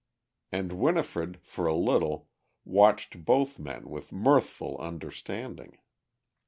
And Winifred, for a little, watched both men with mirthful understanding.